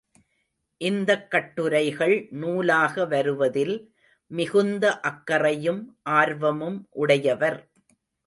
இந்தக் கட்டுரைகள் நூலாக வருவதில் மிகுந்த அக்கறையும் ஆர்வமும் உடையவர்.